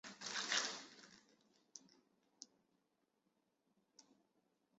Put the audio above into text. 肚子咕噜咕噜叫